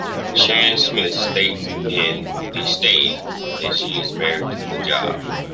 Sheridan Smith states in "The Stage" that she is married to the job.